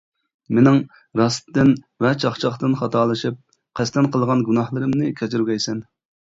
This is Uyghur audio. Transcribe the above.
مېنىڭ راستتىن ۋە چاقچاقتىن خاتالىشىپ، قەستەن قىلغان گۇناھلىرىمنى كەچۈرگەيسەن.